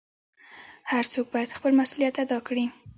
هر څوک بايد خپل مسؤليت ادا کړي .